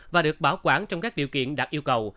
và được bảo quản trong các điều kiện đạt yêu cầu